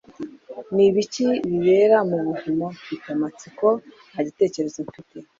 ni ibiki bibera mu buvumo? mfite amatsiko. nta gitekerezo mfite